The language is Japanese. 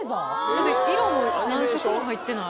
だって色も何色も入ってない？